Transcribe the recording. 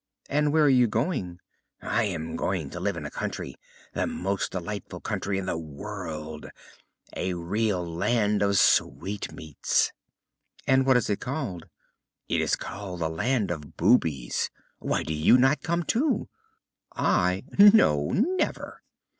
"And where are you going?" "I am going to live in a country the most delightful country in the world: a real land of sweetmeats!" "And what is it called?" "It is called the 'Land of Boobies.' Why do you not come, too?" "I? No, never!"